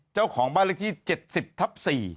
เจ้าของบ้านลักษณ์ที่๗๐ทัก๔๐